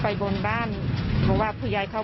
ไปบนบ้านบอกว่าผู้ใหญ่เขา